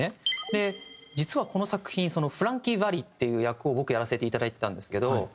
実はこの作品フランキー・ヴァリっていう役を僕やらせていただいてたんですけど。